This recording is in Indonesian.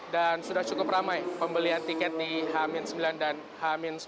dan sudah cukup ramai pembelian tiket di h sembilan dan h sepuluh